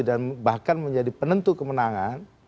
dan bahkan menjadi penentu kemenangan